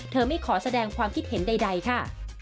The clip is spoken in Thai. ไม่ขอแสดงความคิดเห็นใดค่ะ